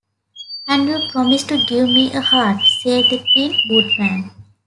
"And you promised to give me a heart," said the Tin Woodman.